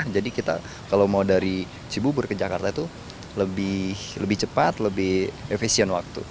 jadi kita kalau mau dari cibubur ke jakarta itu lebih cepat lebih efisien waktu